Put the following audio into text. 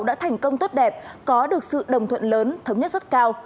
đã thành công tốt đẹp có được sự đồng thuận lớn thống nhất rất cao